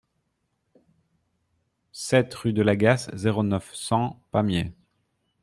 sept rue de l'Agasse, zéro neuf, cent, Pamiers